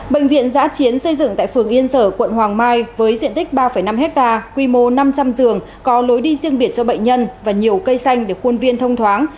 bệnh viện giã chiến xây dựng tại phường yên sở quận hoàng mai với diện tích ba năm hectare quy mô năm trăm linh giường có lối đi riêng biệt cho bệnh nhân và nhiều cây xanh để khuôn viên thông thoáng